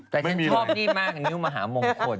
แต่ฉันชอบนี่มากนิ้วมหามงคล